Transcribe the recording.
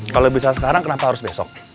kalau bisa sekarang kenapa harus besok